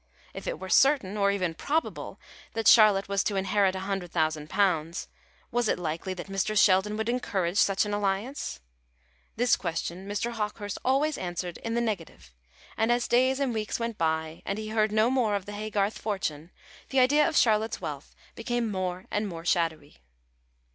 If it were certain, or even probable, that Charlotte was to inherit a hundred thousand pounds, was it likely that Mr. Sheldon would encourage such an alliance? This question Mr. Hawkehurst always answered in the negative; and as days and weeks went by, and he heard no more of the Haygarth fortune, the idea of Charlotte's wealth became more and more shadowy.